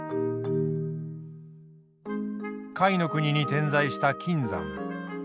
甲斐国に点在した金山。